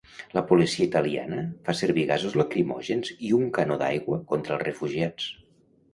La policia italiana fa servir gasos lacrimògens i un canó d'aigua contra els refugiats.